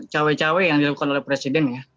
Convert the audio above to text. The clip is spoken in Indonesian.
cawi cawi yang dilontarkan oleh presiden ya